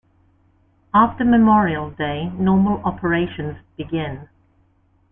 After Memorial Day, normal operations begin.